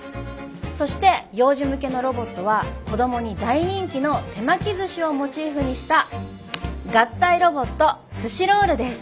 そして幼児向けのロボットは子どもに大人気の手巻き寿司をモチーフにした合体ロボットスシロールです。